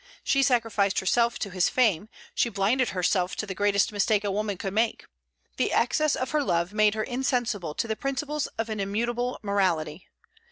She sacrificed herself to his fame; she blinded herself to the greatest mistake a woman could make. The excess of her love made her insensible to the principles of an immutable morality.